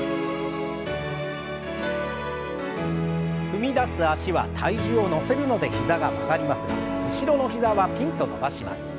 踏み出す脚は体重を乗せるので膝が曲がりますが後ろの膝はピンと伸ばします。